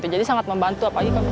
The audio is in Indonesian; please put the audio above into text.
jadi sangat membantu